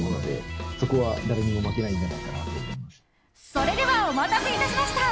それではお待たせいたしました。